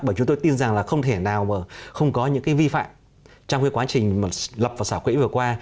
bởi chúng tôi tin rằng là không thể nào mà không có những cái vi phạm trong cái quá trình mà lập và xả quỹ vừa qua